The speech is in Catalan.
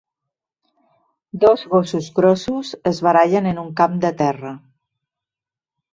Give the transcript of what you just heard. Dos gossos grossos es barallen en un camp de terra.